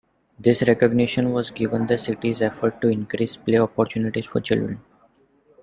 This recognition was given the city's effort to "increase play opportunities for children".